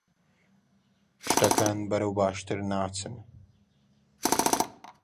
شتەکان بەرەو باشتر ناچن.